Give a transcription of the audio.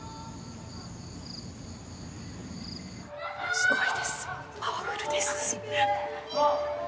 すごいですパワフルです